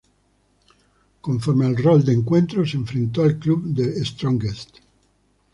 Conforme al rol de encuentros, se enfrentó al club The Strongest.